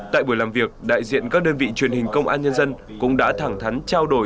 tại buổi làm việc đại diện các đơn vị truyền hình công an nhân dân cũng đã thẳng thắn trao đổi